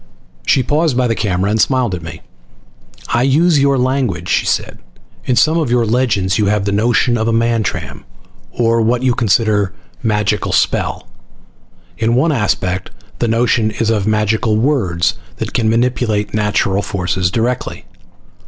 She paused by the camera and smiled at me. "I use your language," she said. "In some of your legends you have the notion of a Mantram, or what you consider magical spell. In one aspect the notion is of magical words that can manipulate natural forces directly.